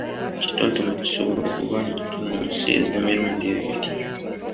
Ekitontome kisobola okuba n'entunnunsi ez’emirundi ebiri.